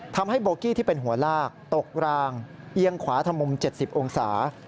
ทำให้โบกี้ที่เป็นหัวลากตกรางเอียงขวาธมุม๗๐องศา